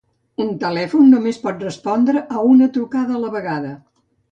Un telèfon només pot respondre a una trucada a la vegada.